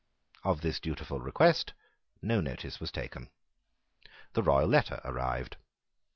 Of this dutiful request no notice was taken. The royal letter arrived.